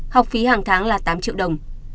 học phí hàng tháng là tám triệu đồng